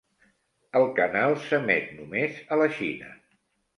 El canal s'emet només a la Xina.